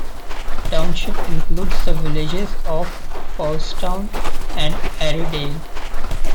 The township includes the villages of Fousetown and Airydale.